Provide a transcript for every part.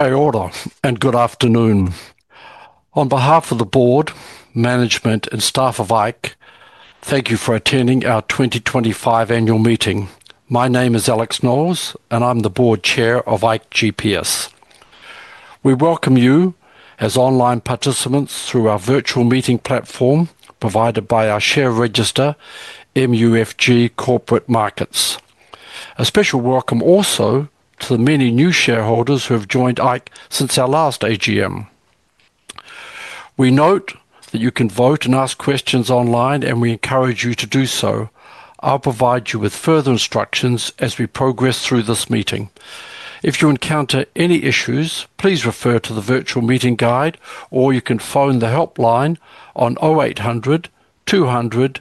Order and good afternoon. On behalf of the Board, management, and staff of ikeGPS, thank you for attending our 2025 Annual General Meeting. My name is Alex Knowles and I'm the Board Chair of ikeGPS. We welcome you as online participants through our virtual meeting platform provided by our share register, MUFG Corporate Markets. A special welcome also to the many new shareholders who have joined ikeGPS since our last AGM. We note that you can vote and ask questions online, and we encourage you to do so. I'll provide you with further instructions as we progress through this meeting. If you encounter any issues, please refer to the virtual meeting guide or you can phone the helpline on 0800 200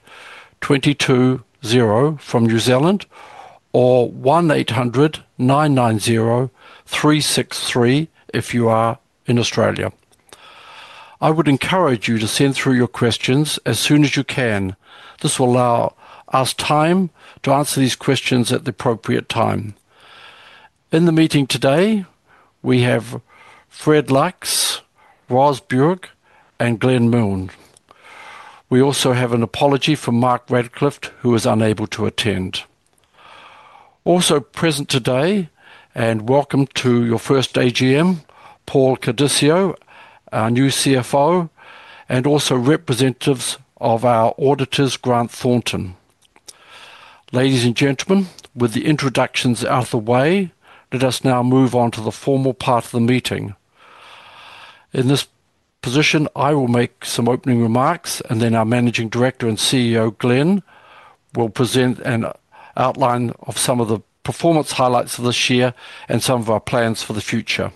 2200 from New Zealand or 1-800 990 363 if you are in Australia. I would encourage you to send through your questions as soon as you can. This will allow us time to answer these questions at the appropriate time. In the meeting today, we have Fred Lax, Ross Bjork, and Glenn Milnes. We also have an apology from Mark Radcliffe, who is unable to attend. Also present today, and welcome to your first AGM, Paul Caudicio, our new CFO, and also representatives of our auditors, Grant Thornton. Ladies and gentlemen, with the introductions out of the way, let us now move on to the formal part of the meeting. In this position, I will make some opening remarks, and then our Managing Director and CEO, Glenn, will present an outline of some of the performance highlights of this year and some of our plans for the future.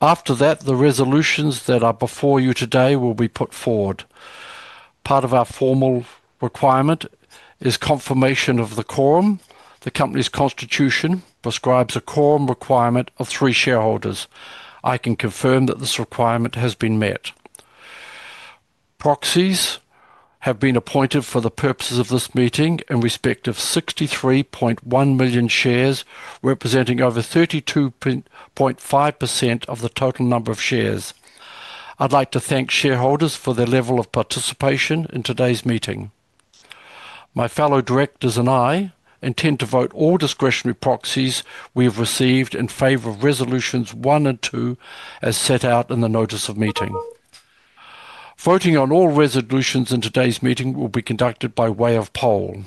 After that, the resolutions that are before you today will be put forward. Part of our formal requirement is confirmation of the quorum. The company's constitution prescribes a quorum requirement of three shareholders. I can confirm that this requirement has been met. Proxies have been appointed for the purposes of this meeting in respect of 63.1 million shares, representing over 32.5% of the total number of shares. I'd like to thank shareholders for their level of participation in today's meeting. My fellow directors and I intend to vote all discretionary proxies we have received in favor of resolutions one and two, as set out in the notice of meeting. Voting on all resolutions in today's meeting will be conducted by way of poll.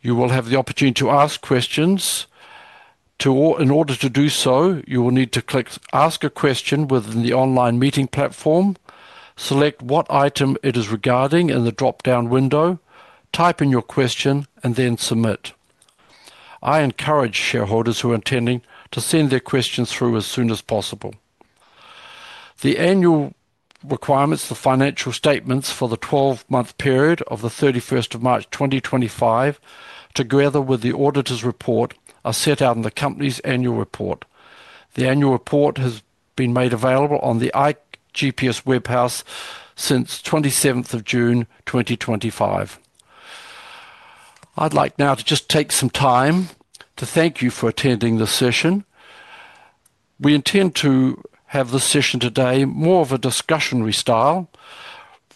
You will have the opportunity to ask questions. In order to do so, you will need to click "Ask a Question" within the online meeting platform, select what item it is regarding in the drop-down window, type in your question, and then submit. I encourage shareholders who are attending to send their questions through as soon as possible. The annual requirements for financial statements for the 12-month period to the 31st of March 2025, together with the auditor's report, are set out in the company's annual report. The annual report has been made available on the ikeGPS webhouse since 27th of June 2025. I'd like now to just take some time to thank you for attending this session. We intend to have this session today more of a discussionary style,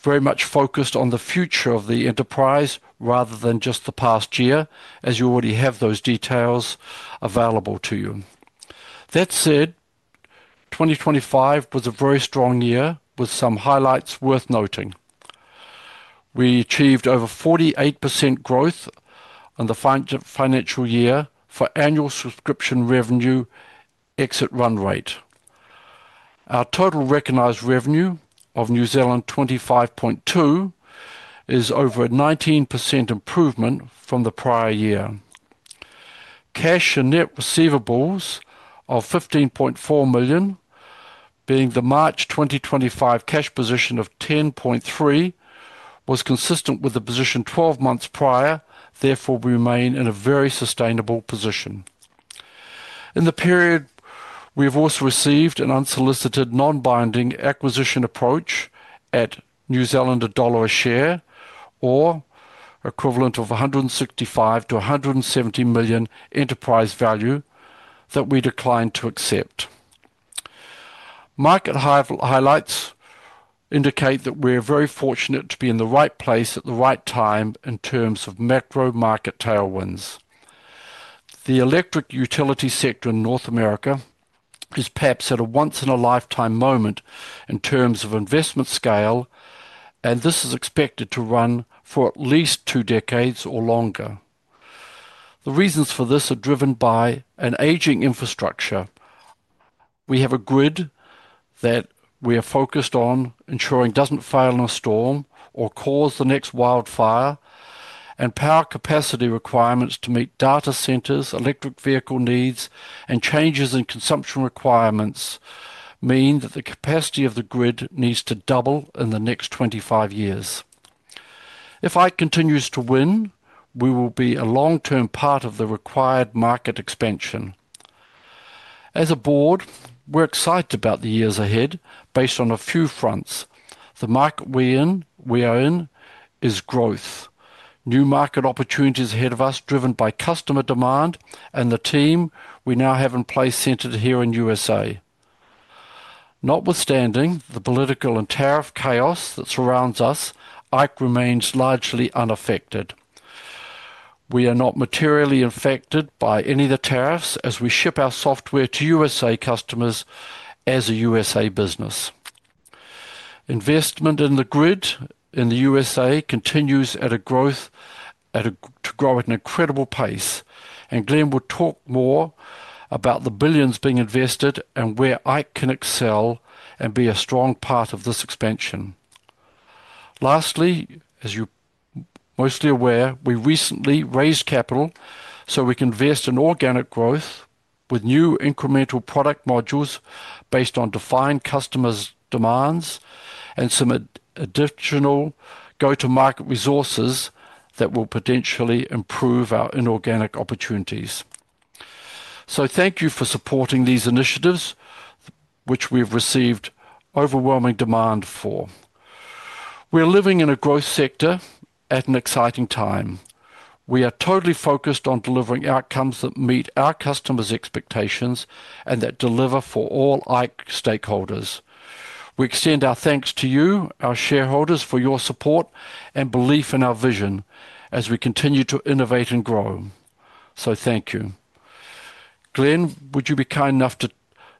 very much focused on the future of the enterprise rather than just the past year, as you already have those details available to you. That said, 2025 was a very strong year with some highlights worth noting. We achieved over 48% growth in the financial year for annual subscription revenue exit run rate. Our total recognized revenue of NZ$25.2 million is over a 19% improvement from the prior year. Cash and net receivables of NZ$15.4 million, being the March 2025 cash position of NZ$10.3 million, was consistent with the position 12 months prior. Therefore, we remain in a very sustainable position. In the period, we have also received an unsolicited non-binding acquisition approach at NZ$1.00 a share or equivalent of NZ$165 to NZ$170 million enterprise value that we declined to accept. Market highlights indicate that we're very fortunate to be in the right place at the right time in terms of macro market tailwinds. The electric utility sector in North America is perhaps at a once-in-a-lifetime moment in terms of investment scale, and this is expected to run for at least two decades or longer. The reasons for this are driven by an aging infrastructure. We have a grid that we are focused on ensuring doesn't fail in a storm or cause the next wildfire, and power capacity requirements to meet data centers, electric vehicle needs, and changes in consumption requirements mean that the capacity of the grid needs to double in the next 25 years. If ikeGPS continues to win, we will be a long-term part of the required market expansion. As a board, we're excited about the years ahead based on a few fronts. The market we are in is growth. New market opportunities ahead of us, driven by customer demand and the team we now have in place centered here in the U.S. Notwithstanding the political and tariff chaos that surrounds us, ikeGPS remains largely unaffected. We are not materially affected by any of the tariffs as we ship our software to U.S. customers as a U.S. business. Investment in the grid in the U.S. continues to grow at an incredible pace, and Glenn will talk more about the billions being invested and where ikeGPS can excel and be a strong part of this expansion. Lastly, as you're mostly aware, we recently raised capital so we can invest in organic growth with new incremental product modules based on defined customers' demands and some additional go-to-market resources that will potentially improve our inorganic opportunities. Thank you for supporting these initiatives, which we've received overwhelming demand for. We're living in a growth sector at an exciting time. We are totally focused on delivering outcomes that meet our customers' expectations and that deliver for all ikeGPS stakeholders. We extend our thanks to you, our shareholders, for your support and belief in our vision as we continue to innovate and grow. Thank you. Glenn, would you be kind enough to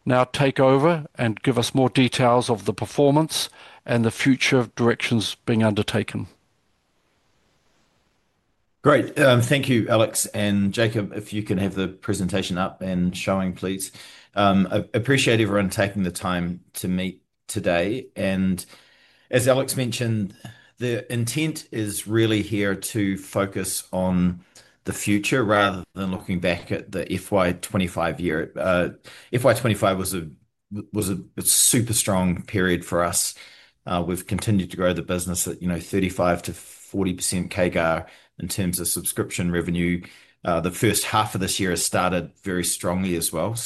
now take over and give us more details of the performance and the future directions being undertaken? Great. Thank you, Alex. Jacob, if you can have the presentation up and showing, please. I appreciate everyone taking the time to meet today. As Alex mentioned, the intent is really here to focus on the future rather than looking back at the FY2025 year. FY2025 was a super strong period for us. We've continued to grow the business at 35% to 40% CAGR in terms of subscription revenue. The first half of this year has started very strongly as well.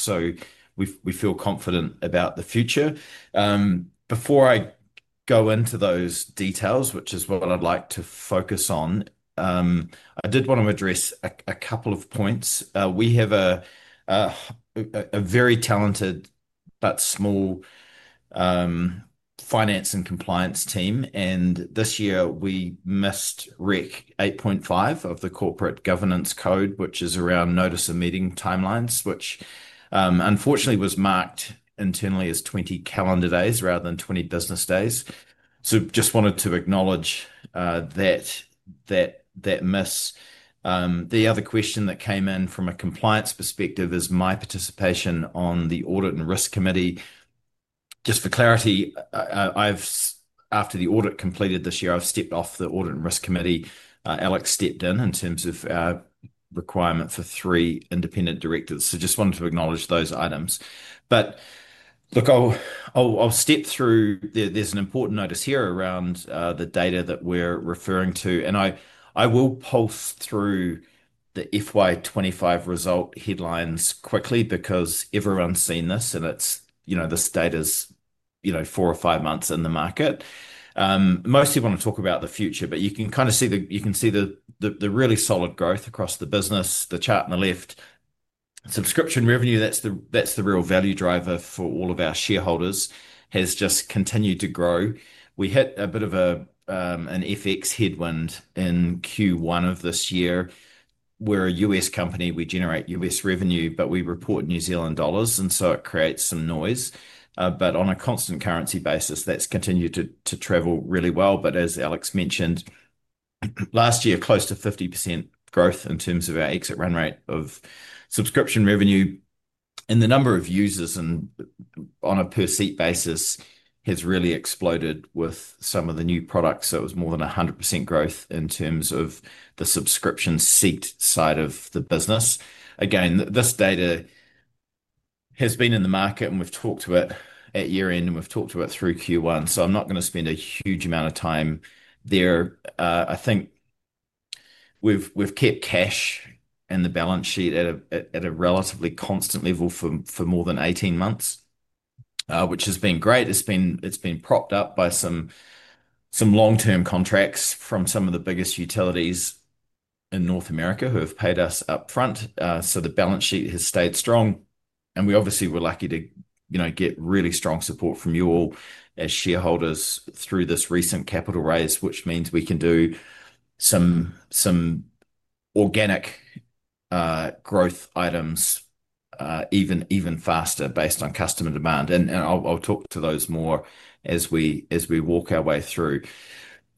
We feel confident about the future. Before I go into those details, which is what I'd like to focus on, I did want to address a couple of points. We have a very talented but small Finance and Compliance team. This year we missed REC 8.5 of the Corporate Governance Code, which is around notice of meeting timelines, which unfortunately was marked internally as 20 calendar days rather than 20 business days. I just wanted to acknowledge that miss. The other question that came in from a compliance perspective is my participation on the Audit and Risk Committee. Just for clarity, after the audit completed this year, I've stepped off the Audit and Risk Committee, Alex stepped in in terms of requirement for three independent directors. I just wanted to acknowledge those items. I'll step through. There's an important notice here around the data that we're referring to. I will pulse through the FY2025 result headlines quickly because everyone's seen this, and it's, you know, this data's, you know, four or five months in the market. Mostly I want to talk about the future, but you can kind of see that you can see the really solid growth across the business. The chart on the left, subscription revenue, that's the real value driver for all of our shareholders, has just continued to grow. We hit a bit of an FX headwind in Q1 of this year. We're a U.S. company, we generate U.S. revenue, but we report New Zealand dollars, and it creates some noise. On a constant currency basis, that's continued to travel really well. As Alex mentioned, last year, close to 50% growth in terms of our exit run rate of subscription revenue. The number of users on a per-seat basis has really exploded with some of the new products. It was more than 100% growth in terms of the subscription seat side of the business. Again, this data has been in the market and we've talked to it at year-end and we've talked to it through Q1. I'm not going to spend a huge amount of time there. I think we've kept cash in the balance sheet at a relatively constant level for more than 18 months, which has been great. It's been propped up by some long-term contracts from some of the biggest utilities in North America who have paid us up front. The balance sheet has stayed strong. We obviously were lucky to get really strong support from you all as shareholders through this recent capital raise, which means we can do some organic growth items even faster based on customer demand. I'll talk to those more as we walk our way through.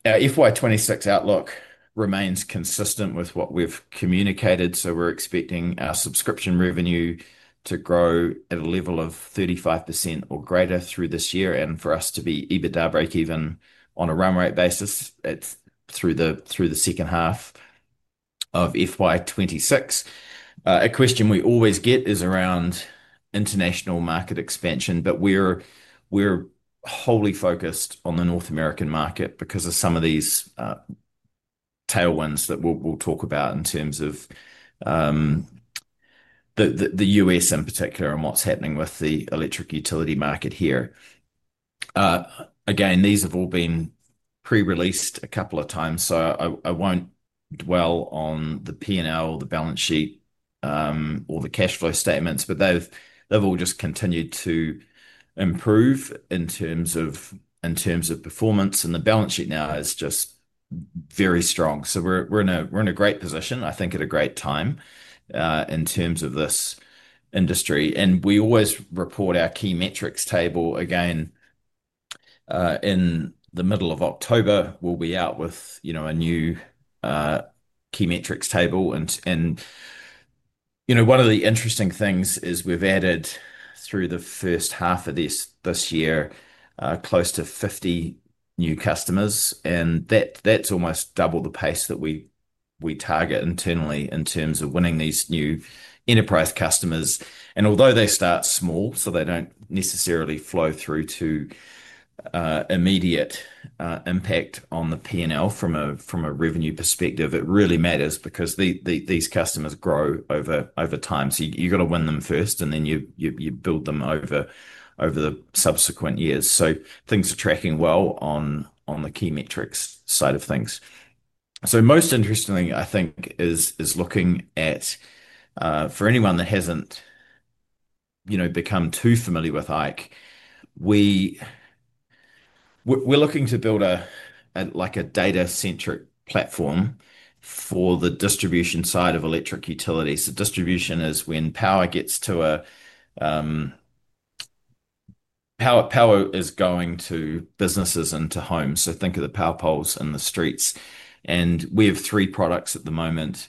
Our FY2026 outlook remains consistent with what we've communicated. We're expecting our subscription revenue to grow at a level of 35% or greater through this year and for us to be either direct or even on a run rate basis, it's through the second half of FY2026. A question we always get is around international market expansion, but we're wholly focused on the North American market because of some of these tailwinds that we'll talk about in terms of the U.S. in particular and what's happening with the electric utility market here. These have all been pre-released a couple of times. I won't dwell on the P&L, the balance sheet, or the cash flow statements, but they've all just continued to improve in terms of performance. The balance sheet now is just very strong. We're in a great position, I think, at a great time in terms of this industry. We always report our key metrics table. In the middle of October, we'll be out with a new key metrics table. One of the interesting things is we've added through the first half of this year, close to 50 new customers. That's almost double the pace that we target internally in terms of winning these new enterprise customers. Although they start small, so they don't necessarily flow through to immediate impact on the P&L from a revenue perspective, it really matters because these customers grow over time. You've got to win them first and then you build them over the subsequent years. Things are tracking well on the key metrics side of things. Most interestingly, I think, is looking at, for anyone that hasn't become too familiar with ikeGPS, we're looking to build a data-centric platform for the distribution side of electric utilities. The distribution is when power gets to a power is going to businesses and to homes. Think of the power poles in the streets. We have three products at the moment.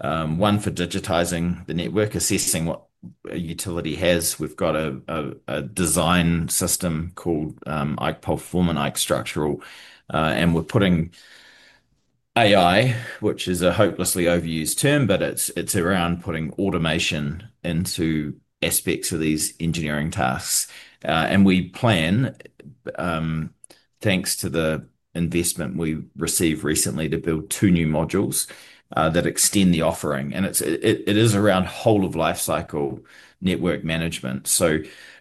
One for digitizing the network, assessing what a utility has. We've got a design system called IKE PoleForeman and IKE Structural. We're putting AI, which is a hopelessly overused term, but it's around putting automation into aspects of these engineering tasks. We plan, thanks to the investment we received recently, to build two new modules that extend the offering. It is around whole-of-life cycle network management.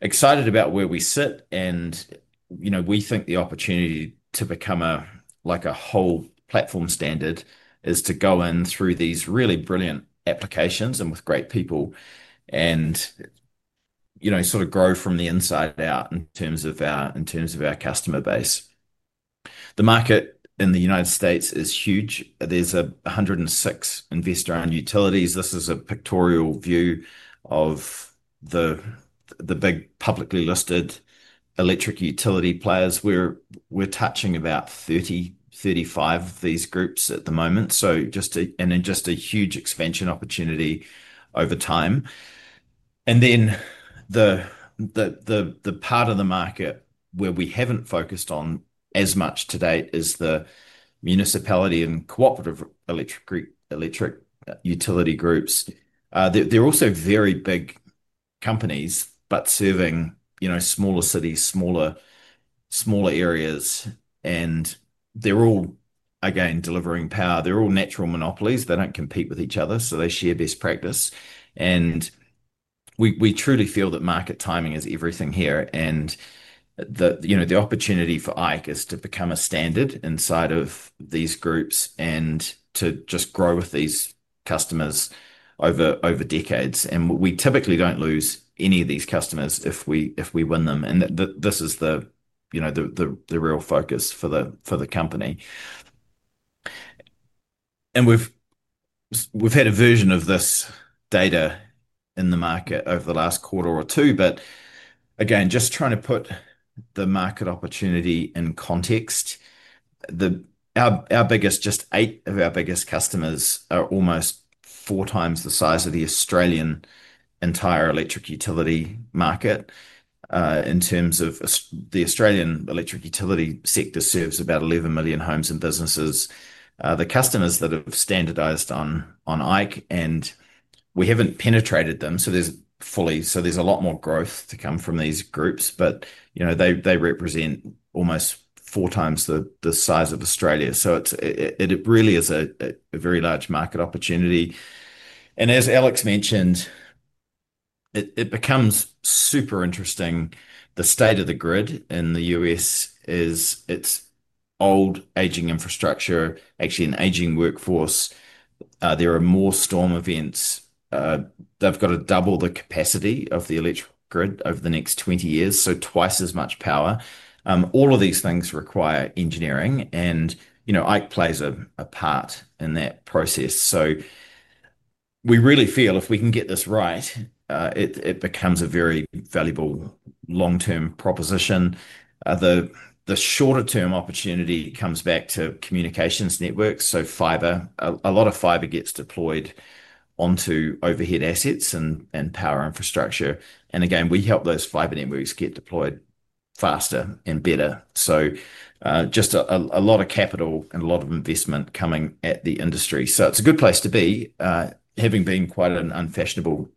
Excited about where we sit. We think the opportunity to become a whole platform standard is to go in through these really brilliant applications and with great people and sort of grow from the inside out in terms of our customer base. The market in the U.S. is huge. There are 106 investors in utilities. This is a pictorial view of the big publicly listed electric utility players. We're touching about 30, 35 of these groups at the moment. Just a huge expansion opportunity over time. The part of the market where we haven't focused on as much to date is the municipality and cooperative electric utility groups. They're also very big companies, but serving smaller cities, smaller areas. They're all, again, delivering power. They're all natural monopolies. They don't compete with each other. They share best practice. We truly feel that market timing is everything here. The opportunity for IKE is to become a standard inside of these groups and to just grow with these customers over decades. We typically don't lose any of these customers if we win them. This is the real focus for the company. We've had a version of this data in the market over the last quarter or two. Just trying to put the market opportunity in context, just eight of our biggest customers are almost four times the size of the Australian entire electric utility market. The Australian electric utility sector serves about 11 million homes and businesses. The customers that have standardized on IKE, and we haven't penetrated them fully, so there's a lot more growth to come from these groups. They represent almost four times the size of Australia. It really is a very large market opportunity. As Alex mentioned, it becomes super interesting. The state of the grid in the U.S. is its old aging infrastructure, actually an aging workforce. There are more storm events. They've got to double the capacity of the electric grid over the next 20 years. Twice as much power. All of these things require engineering, and you know IKE plays a part in that process. We really feel if we can get this right, it becomes a very valuable long-term proposition. The shorter-term opportunity comes back to communications networks. A lot of fiber gets deployed onto overhead assets and power infrastructure, and again, we help those fiber networks get deployed faster and better. There is just a lot of capital and a lot of investment coming at the industry. It's a good place to be, having been quite an unfashionable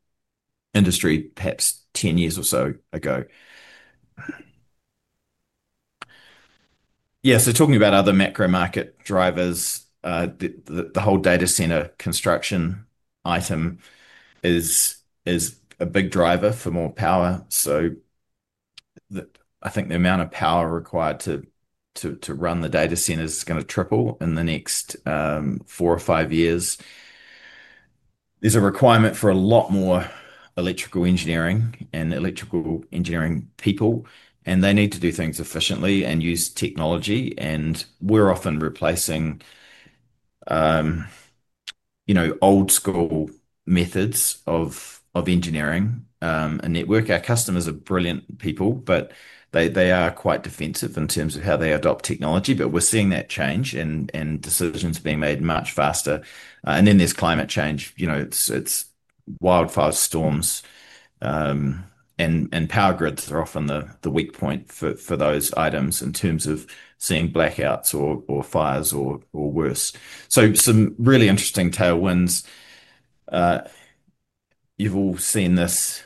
industry perhaps 10 years or so ago. Talking about other macro market drivers, the whole data center construction item is a big driver for more power. I think the amount of power required to run the data centers is going to triple in the next four or five years. There's a requirement for a lot more electrical engineering and electrical engineering people, and they need to do things efficiently and use technology. We're often replacing old school methods of engineering and network. Our customers are brilliant people, but they are quite defensive in terms of how they adopt technology. We're seeing that change and decisions being made much faster. There is climate change. It's wildfire storms, and power grids are often the weak point for those items in terms of seeing blackouts or fires or worse. Some really interesting tailwinds. You've all seen this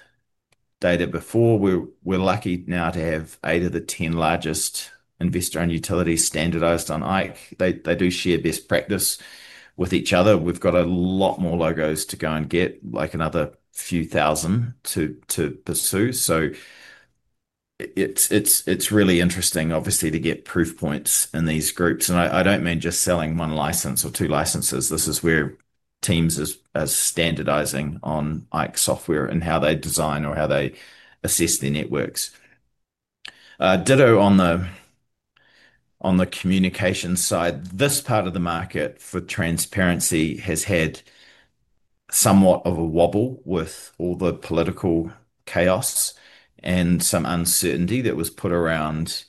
data before. We're lucky now to have eight of the 10 largest investor-owned utilities standardized on IKE. They do share best practice with each other. We've got a lot more logos to go and get, like another few thousand to pursue. It's really interesting, obviously, to get proof points in these groups. I don't mean just selling one license or two licenses. This is where teams are standardizing on IKE software and how they design or how they assess their networks. Ditto on the communication side. This part of the market for transparency has had somewhat of a wobble with all the political chaos and some uncertainty that was put around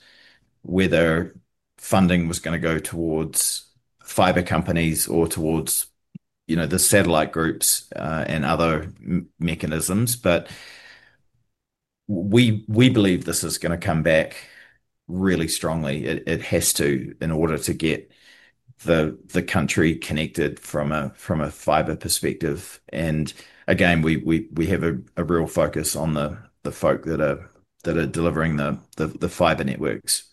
whether funding was going to go towards fiber companies or towards the satellite groups and other mechanisms. We believe this is going to come back really strongly. It has to in order to get the country connected from a fiber perspective. We have a real focus on the folk that are delivering the fiber networks.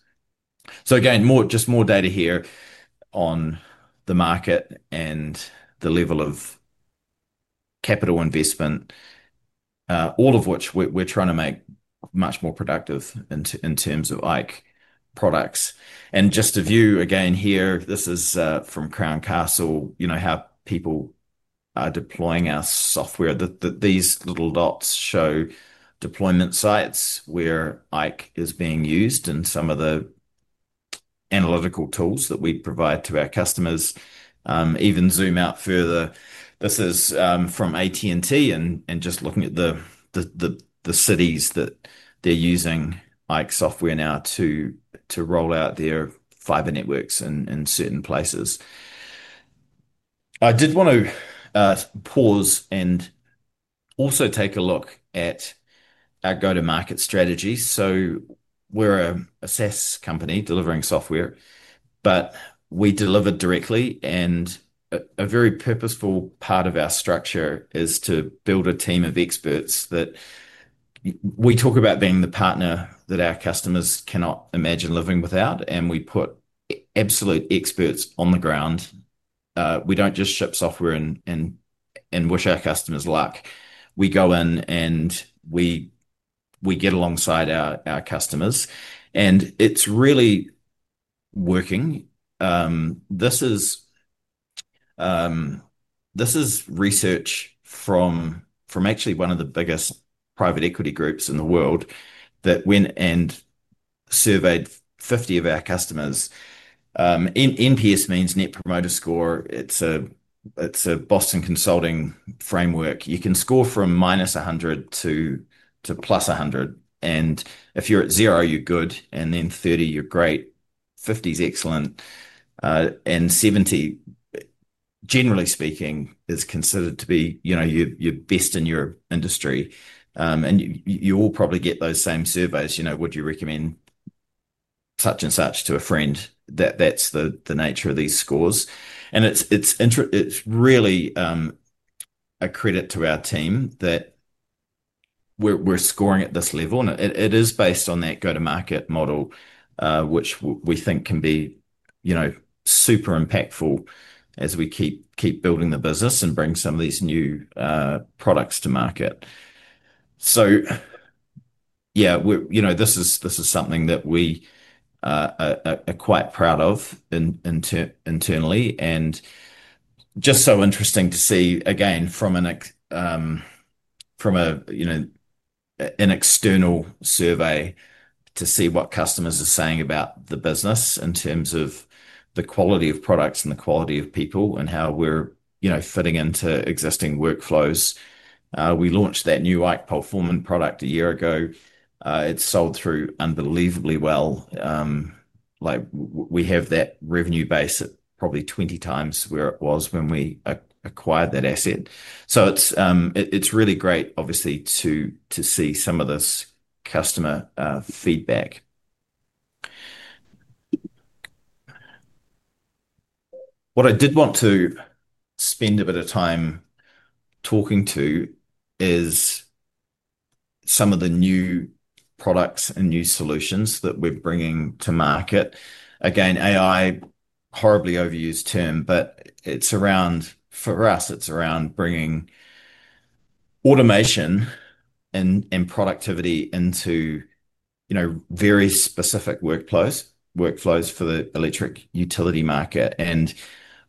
Just more data here on the market and the level of capital investment, all of which we're trying to make much more productive in terms of IKE products. Here, this is from Crown Castle, you know, how people are deploying our software. These little dots show deployment sites where IKE is being used and some of the analytical tools that we provide to our customers. If you zoom out further, this is from AT&T and just looking at the cities that they're using IKE software now to roll out their fiber networks in certain places. I did want to pause and also take a look at our go-to-market strategy. We're a SaaS company delivering software, but we deliver directly. A very purposeful part of our structure is to build a team of experts that we talk about being the partner that our customers cannot imagine living without. We put absolute experts on the ground. We don't just ship software and wish our customers luck. We go in and we get alongside our customers. It's really working. This is research from actually one of the biggest private equity groups in the world that went and surveyed 50 of our customers. NPS means Net Promoter Score. It's a Boston Consulting framework. You can score from minus 100 to plus 100. If you're at zero, you're good. Then 30, you're great. 50 is excellent. 70, generally speaking, is considered to be, you know, you're best in your industry. You all probably get those same surveys. You know, would you recommend such and such to a friend? That's the nature of these scores. It's really a credit to our team that we're scoring at this level. It is based on that go-to-market model, which we think can be super impactful as we keep building the business and bring some of these new products to market. This is something that we are quite proud of internally. It's interesting to see, again, from an external survey to see what customers are saying about the business in terms of the quality of products and the quality of people and how we're fitting into existing workflows. We launched that new IKE PoleForeman product a year ago. It sold through unbelievably well. We have that revenue base at probably 20 times where it was when we acquired that asset. It's really great, obviously, to see some of this customer feedback. What I did want to spend a bit of time talking to is some of the new products and new solutions that we're bringing to market. Again, AI, horribly overused term, but it's around, for us, it's around bringing automation and productivity into, you know, very specific workflows for the electric utility market.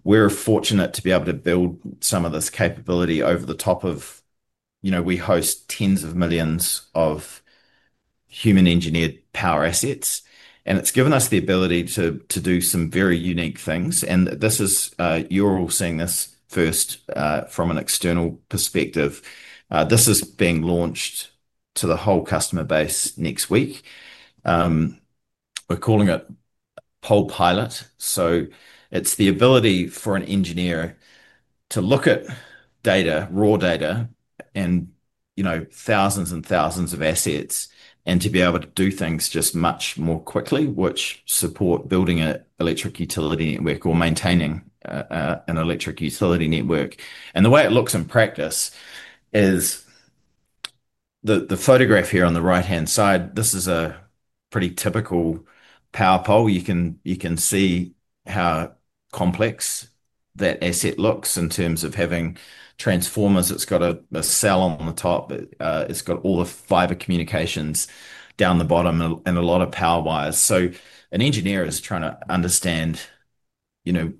We're fortunate to be able to build some of this capability over the top of, you know, we host tens of millions of human-engineered power assets. It's given us the ability to do some very unique things. This is, you're all seeing this first from an external perspective. This is being launched to the whole customer base next week. We're calling it PolePilot. It's the ability for an engineer to look at data, raw data, and, you know, thousands and thousands of assets, and to be able to do things just much more quickly, which support building an electric utility network or maintaining an electric utility network. The way it looks in practice is the photograph here on the right-hand side. This is a pretty typical power pole. You can see how complex that asset looks in terms of having transformers. It's got a cell on the top. It's got all the fiber communications down the bottom and a lot of power wires. An engineer is trying to understand, you know,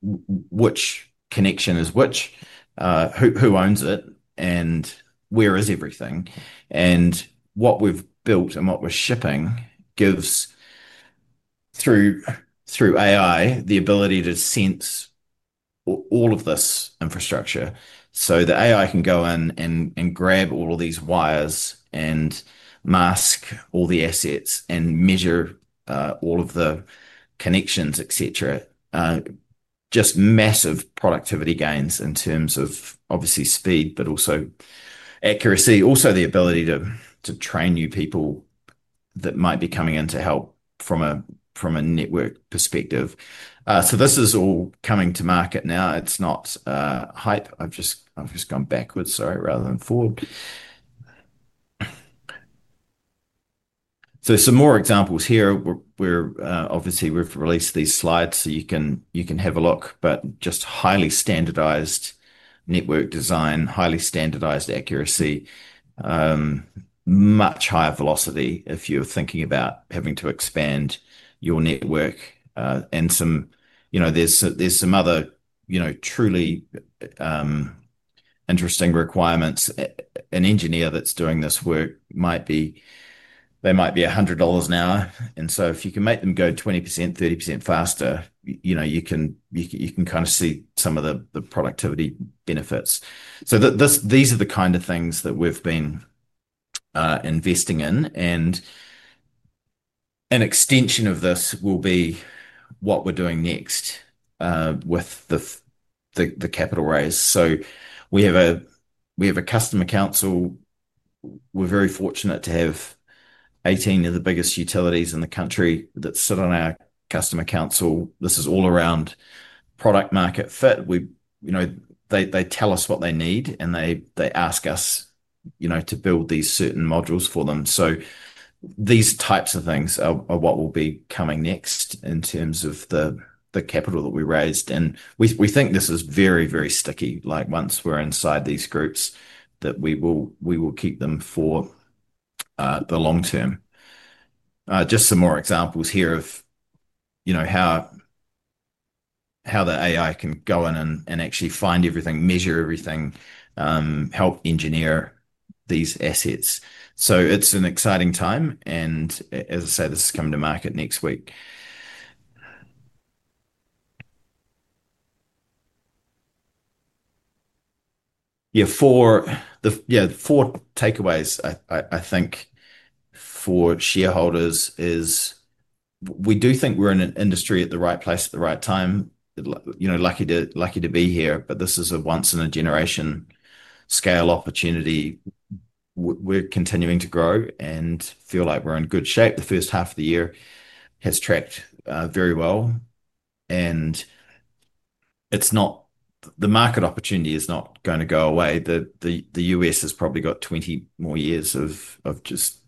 which connection is which, who owns it, and where is everything. What we've built and what we're shipping gives, through AI, the ability to sense all of this infrastructure. The AI can go in and grab all of these wires and mask all the assets and measure all of the connections, etc. Just massive productivity gains in terms of, obviously, speed, but also accuracy, also the ability to train new people that might be coming in to help from a network perspective. This is all coming to market now. It's not hype. I've just gone backwards, sorry, rather than forward. Some more examples here. Obviously, we've released these slides so you can have a look, but just highly standardized network design, highly standardized accuracy, much higher velocity if you're thinking about having to expand your network. There are some other, you know, truly interesting requirements. An engineer that's doing this work might be, they might be $100 an hour. If you can make them go 20%, 30% faster, you know, you can kind of see some of the productivity benefits. These are the kind of things that we've been investing in. An extension of this will be what we're doing next with the capital raise. We have a customer council. We're very fortunate to have 18 of the biggest utilities in the country that sit on our customer council. This is all around product market fit. They tell us what they need and they ask us to build these certain modules for them. These types of things are what will be coming next in terms of the capital that we raised. We think this is very, very sticky. Once we're inside these groups, we will keep them for the long term. Here are some more examples of how the AI can go in and actually find everything, measure everything, help engineer these assets. It's an exciting time. This is coming to market next week. Four takeaways, I think, for shareholders is we do think we're in an industry at the right place at the right time. Lucky to be here, but this is a once-in-a-generation scale opportunity. We're continuing to grow and feel like we're in good shape. The first half of the year has tracked very well. The market opportunity is not going to go away. The U.S. has probably got 20 more years of just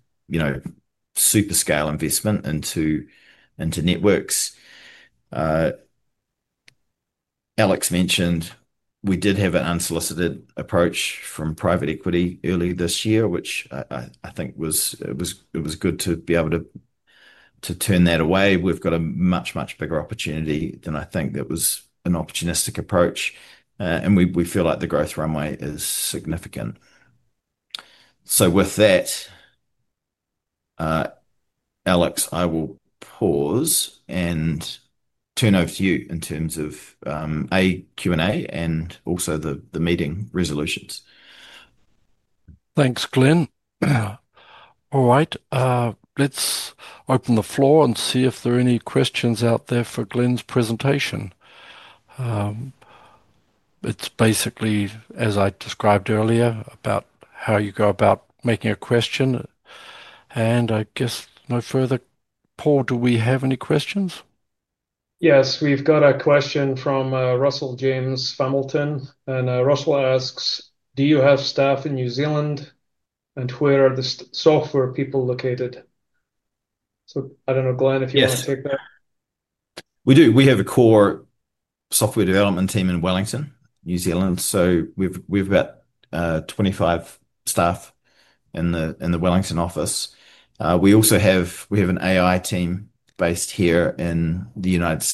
super scale investment into networks. Alex mentioned we did have an unsolicited approach from private equity early this year, which I think was good to be able to turn that away. We've got a much, much bigger opportunity than I think that was an opportunistic approach. We feel like the growth runway is significant. With that, Alex, I will pause and turn over to you in terms of a Q&A and also the meeting resolutions. Thanks, Glenn. All right. Let's open the floor and see if there are any questions out there for Glenn's presentation. It's basically, as I described earlier, about how you go about making a question. I guess no further. Paul, do we have any questions? Yes, we've got a question from Russell James Famelton. Russell asks, do you have staff in New Zealand? Where are the software people located? I don't know, Glenn, if you want to take that. We do. We have a core software development team in Wellington, New Zealand. We've got 25 staff in the Wellington office. We also have an AI team based here in the U.S.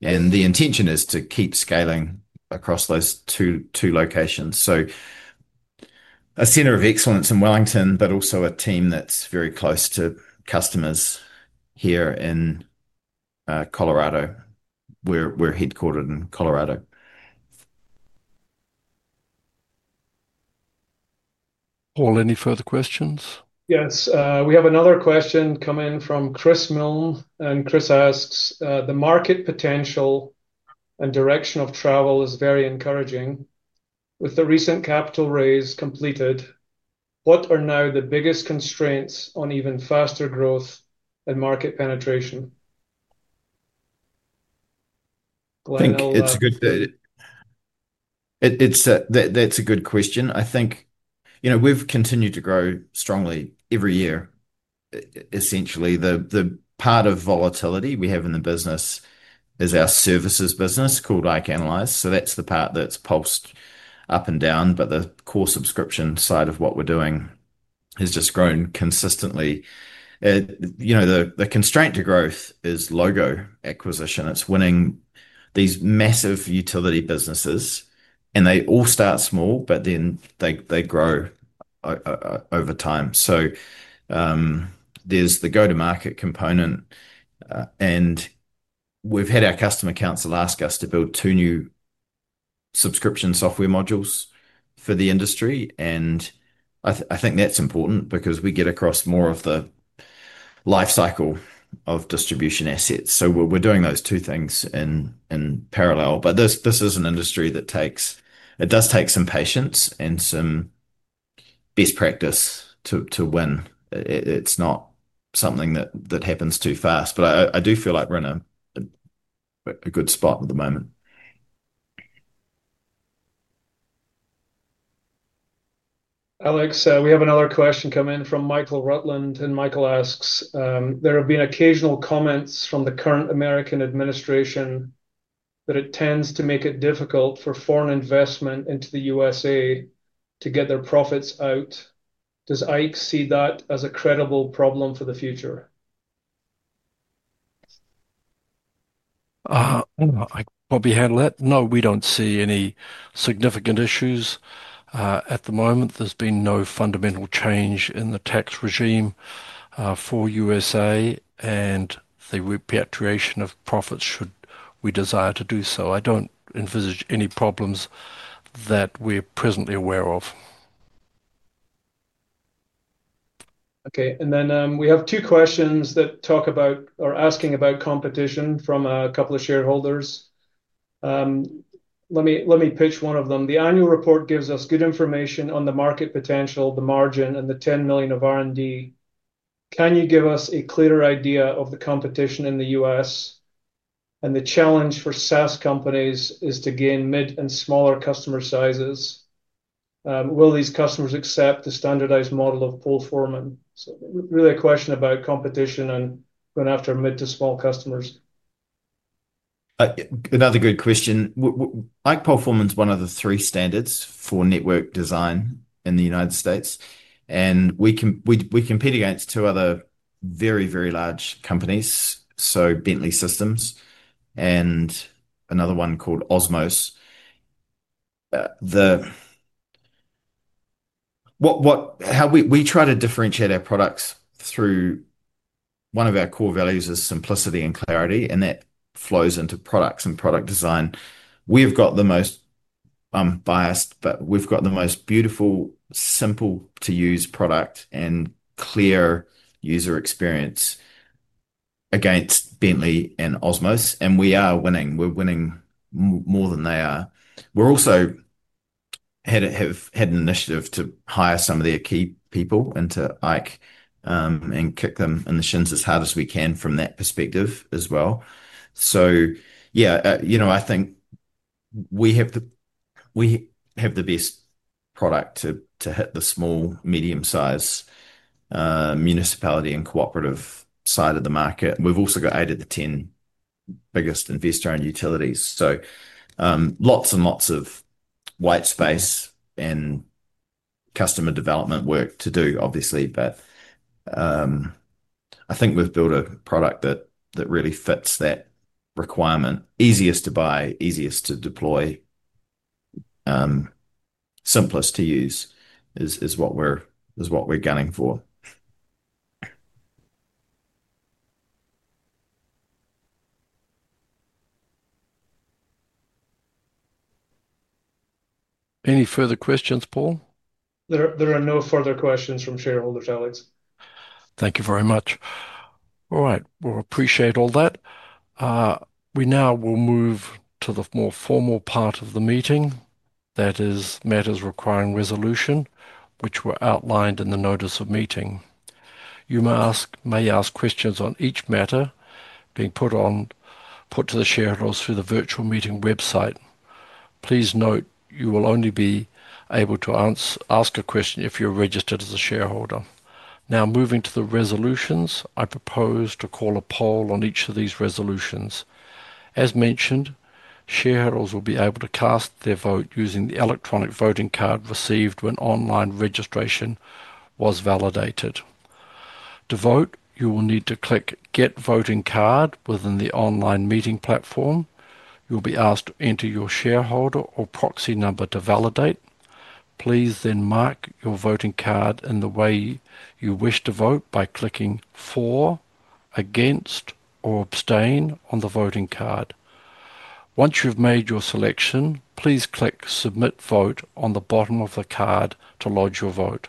The intention is to keep scaling across those two locations. A centre of excellence in Wellington, but also a team that's very close to customers here in Colorado. We're headquartered in Colorado. Paul, any further questions? Yes, we have another question coming from Chris Milne. Chris asks, the market potential and direction of travel is very encouraging. With the recent capital raise completed, what are now the biggest constraints on even faster growth and market penetration? It's a good question. I think we've continued to grow strongly every year. Essentially, the part of volatility we have in the business is our services business called IKE Analyze. That's the part that's pulsed up and down, but the core subscription side of what we're doing has just grown consistently. The constraint to growth is logo acquisition. It's winning these massive utility businesses. They all start small, but then they grow over time. There's the go-to-market component. We've had our customer council ask us to build two new subscription software modules for the industry. I think that's important because we get across more of the lifecycle of distribution assets. We're doing those two things in parallel. This is an industry that takes, it does take some patience and some best practice to win. It's not something that happens too fast. I do feel like we're in a good spot at the moment. Alex, we have another question coming in from Michael Rutland. Michael asks, there have been occasional comments from the current American administration that it tends to make it difficult for foreign investment into the U.S. to get their profits out. Does ikeGPS see that as a credible problem for the future? I can probably handle it. No, we don't see any significant issues at the moment. There's been no fundamental change in the tax regime for the U.S., and the repatriation of profits should, we desire to do so. I don't envisage any problems that we're presently aware of. Okay. We have two questions that talk about or are asking about competition from a couple of shareholders. Let me pitch one of them. The annual report gives us good information on the market potential, the margin, and the $10 million of R&D. Can you give us a clearer idea of the competition in the U.S.? The challenge for SaaS companies is to gain mid and smaller customer sizes. Will these customers accept the standardized model of full format? Really a question about competition and going after mid to small customers. Another good question. IKE performs one of the three standards for network design in the U.S., and we compete against two other very, very large companies: Bentley Systems and another one called Osmose. We try to differentiate our products through one of our core values, which is simplicity and clarity, and that flows into products and product design. We've got the most—I'm biased—but we've got the most beautiful, simple-to-use product and clear user experience against Bentley Systems and Osmose, and we are winning. We're winning more than they are. We've also had an initiative to hire some of their key people into IKE and kick them in the shins as hard as we can from that perspective as well. I think we have the best product to hit the small, medium-sized municipality and cooperative side of the market. We've also got eight of the 10 biggest investor-owned utilities. There is lots and lots of white space and customer development work to do, obviously, but I think we've built a product that really fits that requirement. Easiest to buy, easiest to deploy, simplest to use is what we're gunning for. Any further questions, Paul? There are no further questions from shareholder fellows. Thank you very much. All right. We appreciate all that. We now will move to the more formal part of the meeting, that is matters requiring resolution, which were outlined in the notice of meeting. You may ask questions on each matter being put to the shareholders through the virtual meeting website. Please note you will only be able to ask a question if you're registered as a shareholder. Now moving to the resolutions, I propose to call a poll on each of these resolutions. As mentioned, shareholders will be able to cast their vote using the electronic voting card received when online registration was validated. To vote, you will need to click "Get Voting Card" within the online meeting platform. You'll be asked to enter your shareholder or proxy number to validate. Please then mark your voting card in the way you wish to vote by clicking "For," "Against," or "Abstain" on the voting card. Once you've made your selection, please click "Submit Vote" on the bottom of the card to lodge your vote.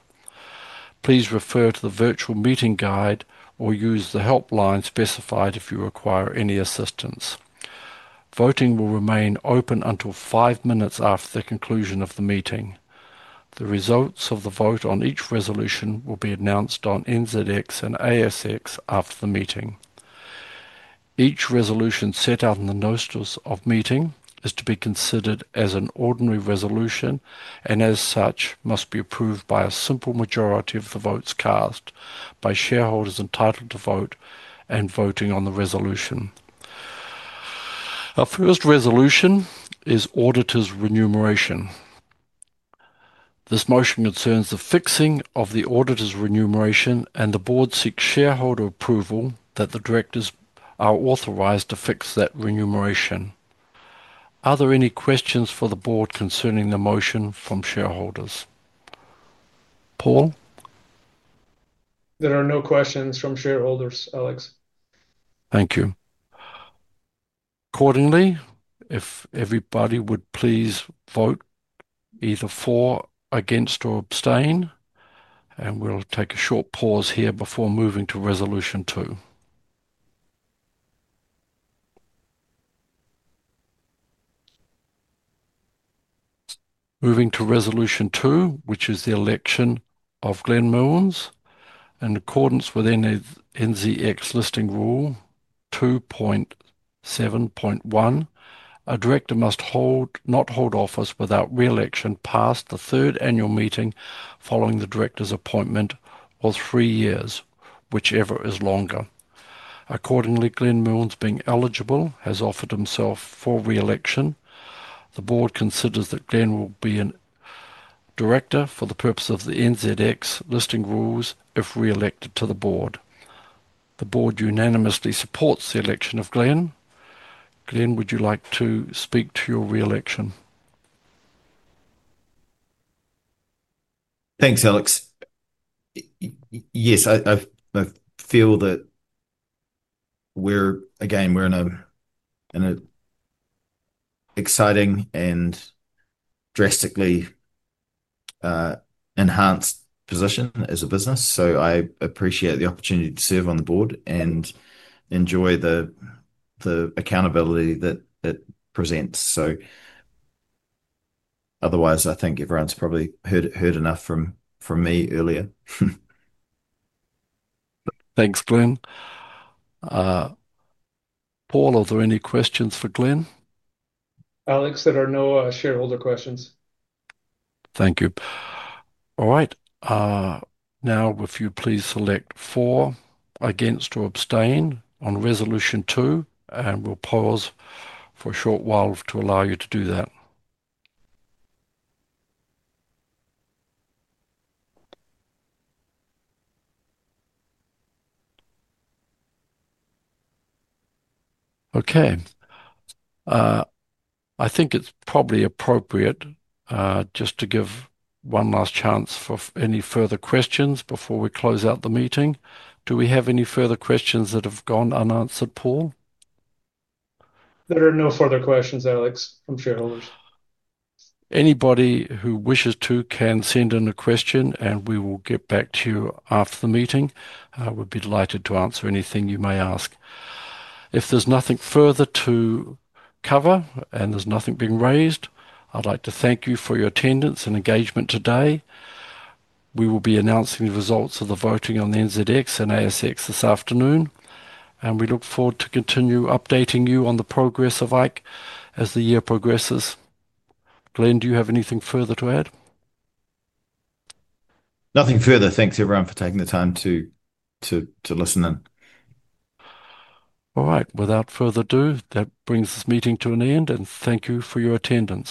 Please refer to the virtual meeting guide or use the helpline specified if you require any assistance. Voting will remain open until five minutes after the conclusion of the meeting. The results of the vote on each resolution will be announced on NZX and ASX after the meeting. Each resolution set out in the notice of meeting is to be considered as an ordinary resolution and as such must be approved by a simple majority of the votes cast by shareholders entitled to vote and voting on the resolution. Our first resolution is auditor's remuneration. This motion concerns the fixing of the auditor's remuneration and the board seeks shareholder approval that the directors are authorized to fix that remuneration. Are there any questions for the board concerning the motion from shareholders? Paul? There are no questions from shareholders, Alex. Thank you. Accordingly, if everybody would please vote either for, against, or abstain, we'll take a short pause here before moving to resolution two. Moving to resolution two, which is the election of Glenn Milnes. In accordance with NZX listing rule 2.7.1, a director must not hold office without reelection past the third annual meeting following the director's appointment or three years, whichever is longer. Accordingly, Glenn Milnes, being eligible, has offered himself for reelection. The board considers that Glenn will be a director for the purpose of the NZX listing rules if reelected to the board. The board unanimously supports the election of Glenn. Glenn, would you like to speak to your reelection? Thanks, Alex. Yes, I feel that we're, again, we're in an exciting and drastically enhanced position as a business. I appreciate the opportunity to serve on the board and enjoy the accountability that it presents. I think everyone's probably heard enough from me earlier. Thanks, Glenn. Paul, are there any questions for Glenn? Alex, there are no shareholder questions. Thank you. All right. Now, if you please select for, against, or abstain on resolution two, and we'll pause for a short while to allow you to do that. Okay. I think it's probably appropriate just to give one last chance for any further questions before we close out the meeting. Do we have any further questions that have gone unanswered, Paul? There are no further questions, Alex, on shareholders. Anybody who wishes to can send in a question, and we will get back to you after the meeting. We'd be delighted to answer anything you may ask. If there's nothing further to cover and there's nothing being raised, I'd like to thank you for your attendance and engagement today. We will be announcing the results of the voting on the NZX and ASX this afternoon. We look forward to continue updating you on the progress of ikeGPS as the year progresses. Glenn, do you have anything further to add? Nothing further. Thanks everyone for taking the time to listen in. All right. Without further ado, that brings this meeting to an end, and thank you for your attendance.